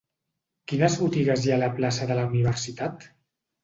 Quines botigues hi ha a la plaça de la Universitat?